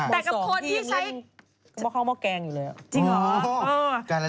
แต่กับคนที่ใช้ม๒ที่ยังเล่นเมาส์คร้องเมาแกงอีกเลย